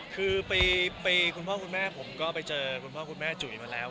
คือคุณพ่อคุณแม่ผมก็ไปเจอคุณพ่อคุณแม่จุ๋ยมาแล้ว